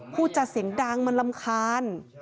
พูดจาเสียงดังมันรำคาญ